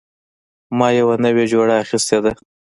ما یوه نوې جوړه اخیستې ده